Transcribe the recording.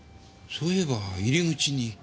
そういえば入り口に。